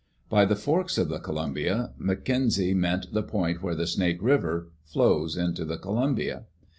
By the Forks of the Columbia, McKenzie meant the point where the Snake River flows into the Columbia.